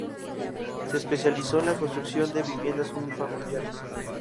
Se especializó en la construcción de viviendas unifamiliares.